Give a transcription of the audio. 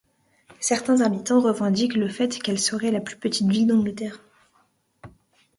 Certains habitants revendiquent le fait qu'elle serait la plus petite ville d'Angleterre.